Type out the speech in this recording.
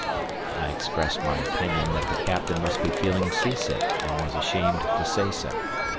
I expressed my opinion that the Captain must be feeling sea sick and was ashamed to say so.